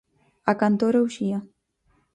A cantora Uxía.